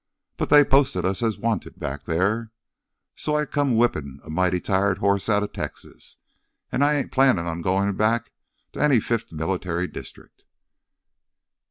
But they posted us as 'wanted' back there. So I come whippin' a mighty tired hoss outta Texas, an' I ain't plannin' on goin' back to any Fifth Military District!"